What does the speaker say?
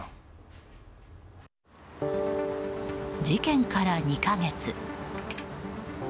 事件から２か月。